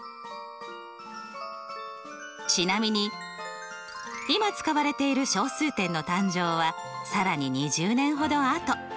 ちなみに今使われている小数点の誕生は更に２０年ほどあと。